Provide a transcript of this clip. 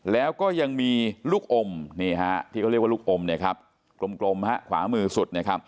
แล้วก็ยังมีลูกอมที่เขาเรียกว่าลูกอมกลมขวามือสุด